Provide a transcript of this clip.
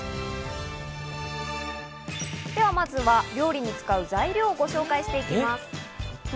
まずは料理に使う材料をご紹介します。